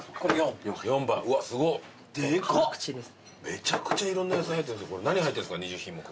めちゃくちゃいろんな野菜入ってる何入ってるんですか２０品目。